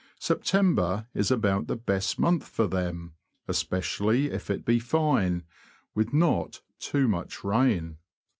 Septem ber is about the best month for them, especially if it be fine, with not too much rain.